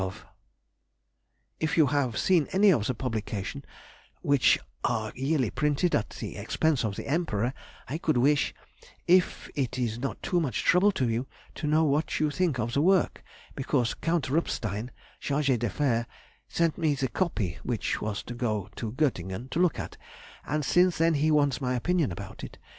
If you have seen any of the publications which are yearly printed at the expense of the Emperor, I could wish, if it is not too much trouble to you, to know what you think of the work; because Count Rupfstein, Chargé d'Affaires, sent me the copy (which was to go to Göttingen) to look at, and since then he wants my opinion about it.